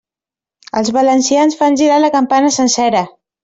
Els valencians fan girar la campana sencera.